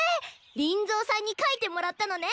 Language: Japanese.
リンゾーさんに描いてもらったのね。